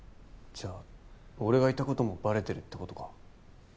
じゃあ俺がいたこともバレてるってことか。